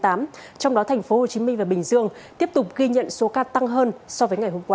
trong đó thành phố hồ chí minh và bình dương tiếp tục ghi nhận số ca tăng hơn so với ngày hôm qua